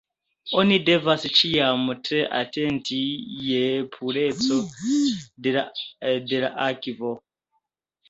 Oni devas ĉiam tre atenti je pureco de la akvo.